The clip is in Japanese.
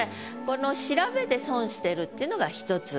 この調べで損してるっていうのが１つ。